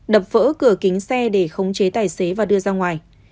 đập vỡ cửa kính xe để khống chế tài xế và đưa ra ngoài